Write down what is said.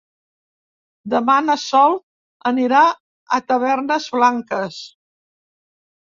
Demà na Sol anirà a Tavernes Blanques.